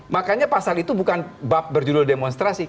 makanya pasal itu bukan bab berjudul demonstrasi